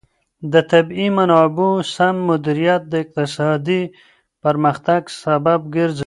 د طبیعي منابعو سم مدیریت د اقتصادي پرمختګ سبب ګرځي.